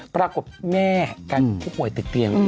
ปรากฏแม่กันผู้ป่วยติดเตียง